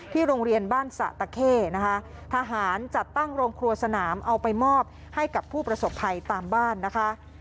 โรงเรียนบ้านสะตะเข้นะคะทหารจัดตั้งโรงครัวสนามเอาไปมอบให้กับผู้ประสบภัยตามบ้านนะคะ